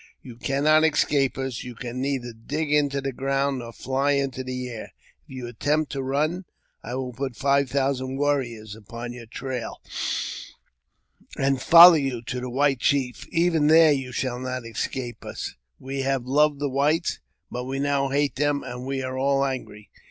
You cannot escape us ; you can neither dig into the ground, nor fly into the air ; if you attempt to run, I will put five thousand warriors upon your trail, and follow you to the white chief ; even there you shall not escape us. We have loved the whites, but we now hate them, and we are all angry.